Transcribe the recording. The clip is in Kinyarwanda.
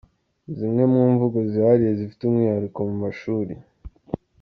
Zimwe mu mvugo zihariye zifite umwihariko mu mashuri